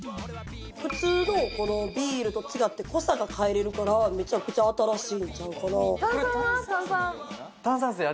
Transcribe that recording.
普通のビールと違って濃さが変えられるからメチャクチャ新しいんちゃうかな炭酸は？